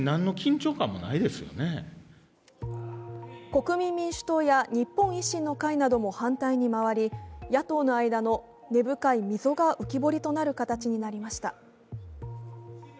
国民民主党や日本維新の会なども反対に回り、野党の間の根深い溝が浮き彫りとなる形となりました。